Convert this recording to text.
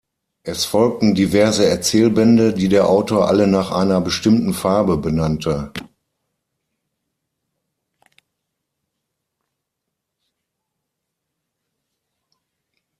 Es folgten diverse Erzählbände, die der Autor alle nach einer bestimmten Farbe benannte.